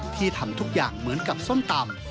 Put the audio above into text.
ทำทุกอย่างเหมือนกับส้มตำ